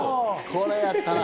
これはやったな。